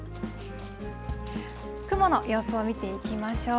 雲の様子を見ていきましょう。